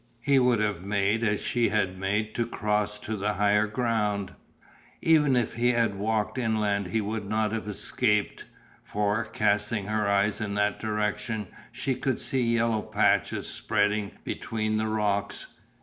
He would have made as she had made to cross to the higher ground. Even if he had walked inland he would not have escaped, for, casting her eyes in that direction she could see yellow patches spreading between the rocks.